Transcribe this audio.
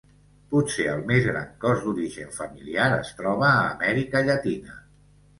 Potser el més gran cos d'origen familiar es troba a Amèrica Llatina.